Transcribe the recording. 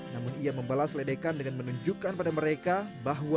namun ia membalas ledekan dengan menunjukkan pada mereka bahwa